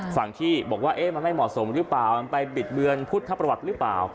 ฝั่งที่บอกว่ามันไม่เหมาะสมหรือเปล่ามันไปบิดเบือนพุทธประวัติหรือเปล่า